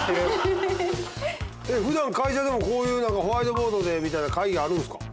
ふだん会社でもこういうホワイトボードでみたいな会議あるんですか？